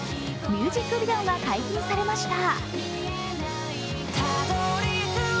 ミュージックビデオが解禁されました。